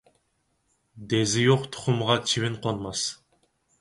دېزى يوق تۇخۇمغا چىۋىن قونماس.